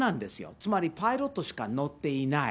つまり、パイロットしか乗っていない。